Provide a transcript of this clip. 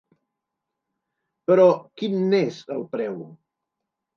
Però quin n’és el preu?